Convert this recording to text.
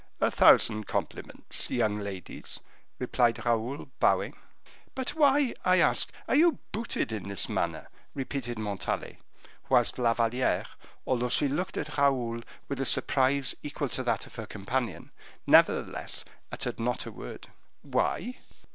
"A thousand compliments, young ladies," replied Raoul, bowing. "But why, I ask, are you booted in this manner?" repeated Montalais, whilst La Valliere, although she looked at Raoul with a surprise equal to that of her companion, nevertheless uttered not a word. "Why?"